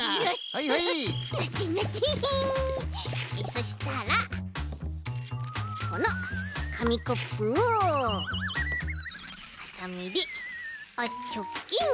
そしたらこのかみコップをはさみであっちょっきん。